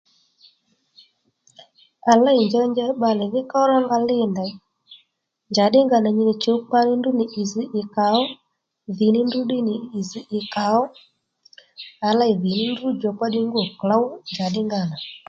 À lêy njanja bbalè dhí ków rónga lîy ndèy njàddí nga nà nyi nì chǔ kpa ní ndrǔ nì ì zž ì kàó, dhì ní ndrǔ ddí nì ì zž ì kàó, à lêy dhì ní ndrǔ djùkpa ddí ngû klǒw njàddí nga nà